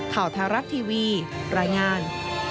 ข่าวแท้รัฐทีวีรายงาน